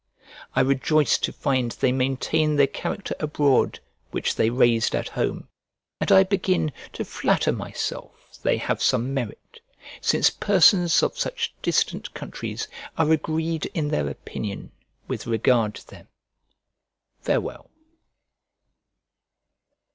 I rejoice to find they maintain the character abroad which they raised at home, and I begin to flatter myself they have some merit, since persons of such distant countries are agreed in their opinion with regard to them. Farewell.